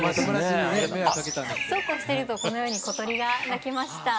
そうこうしていると・このように小鳥が鳴きました。